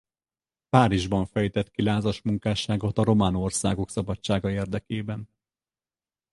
Párizsban fejtett ki lázas munkásságot a román országok szabadsága érdekében.